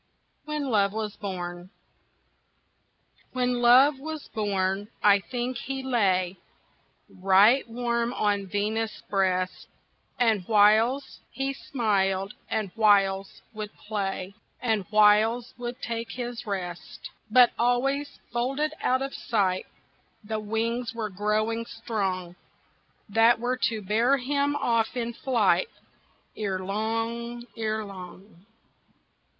When Love Was Born When Love was born I think he lay Right warm on Venus' breast, And whiles he smiled and whiles would play And whiles would take his rest. But always, folded out of sight, The wings were growing strong That were to bear him off in flight Erelong, erelong.